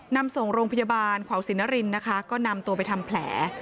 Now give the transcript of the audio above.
นำส่งโรงพยาบาลขวาวสินรินนะคะก็นำตัวไปทำแผล